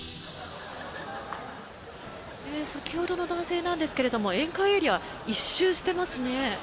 先ほどの男性なんですけれども宴会エリア、１周してますね。